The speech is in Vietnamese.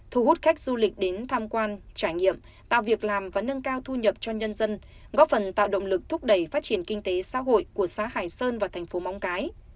thu hút khách du lịch đến tham quan trải nghiệm tạo việc làm và nâng cao thu nhập cho nhân dân góp phần tạo động lực thúc đẩy phát triển kinh tế xã hội của xã hải sơn và thành phố móng cái